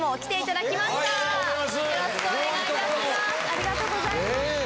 ありがとうございます。